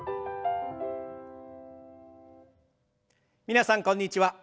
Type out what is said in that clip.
皆さんこんにちは。